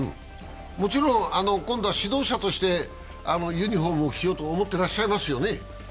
もちろん今度は指導者としてユニフォームを着ようと思ってらっしゃいますよね？